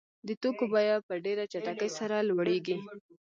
د توکو بیه په ډېره چټکۍ سره لوړېږي